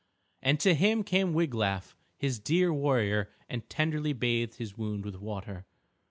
And to him came Wiglaf his dear warrior and tenderly bathed his wound with water.